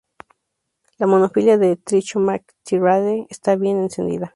La monofilia de Trichomycteridae está bien entendida.